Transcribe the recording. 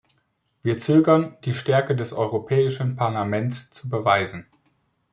Wir zögern, die Stärke des Europäischen Parlaments zu beweisen.